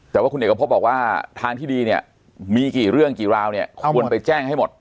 แต่ว่าคุณเอกพบบอกว่าทางที่ดีเนี่ยมีกี่เรื่องกี่ราวเนี่ยควรไปแจ้งให้หมด